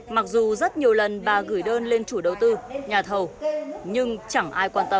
mặc dù rất nhiều lần bà gửi đơn lên chủ đầu tư nhà thầu nhưng chẳng ai quan tâm